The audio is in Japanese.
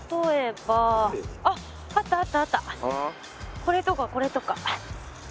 これとかこれとか。